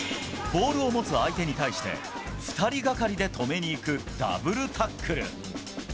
ボールを持つ相手に対して、２人がかりで止めにいく、ダブルタックル。